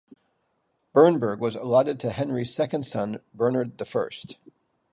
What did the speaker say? Bernburg was allotted to Henry's second son Bernhard the First.